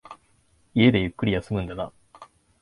家でゆっくり休むんだな。